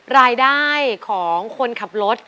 รายได้ของคนขับรถ